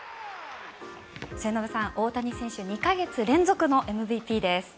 末延さん、大谷選手２か月連続ＭＶＰです。